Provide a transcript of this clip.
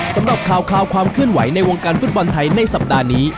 สำหรับข่าวความเคลื่อนไหวในวงการฟุตบอลไทยในสัปดาห์นี้